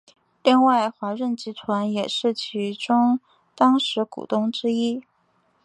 另外华润集团也是其中当时股东之一。